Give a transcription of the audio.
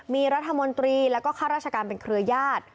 มีรัฐมนตรีแล้วก็ข้าราชการเป็นเครือญาติ